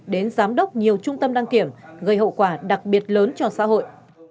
đến giám đốc nhiều trung tâm đăng kiểm gây hậu quả đặc biệt lớn cho xã hội